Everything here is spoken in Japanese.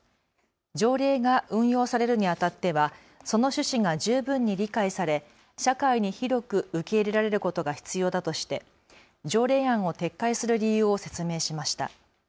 条例が運用されるにあたってはその趣旨が十分に理解され社会に広く受け入れられることが必要だとして条例案を撤回する理由を説明しました。